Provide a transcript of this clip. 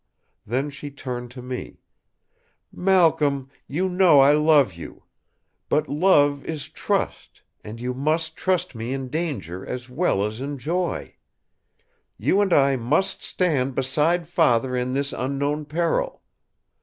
Then she turned to me: "Malcolm, you know I love you! But love is trust; and you must trust me in danger as well as in joy. You and I must stand beside Father in this unknown peril.